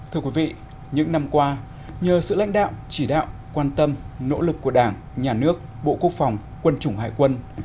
thưa quý vị những năm qua nhờ sự lãnh đạo chỉ đạo quan tâm nỗ lực của đảng nhà nước bộ quốc phòng quân chủng hải quân